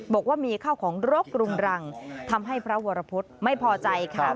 บอกว่ามีข้าวของรกรุงรังทำให้พระวรพฤษไม่พอใจค่ะ